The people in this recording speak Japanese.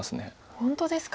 本当ですか。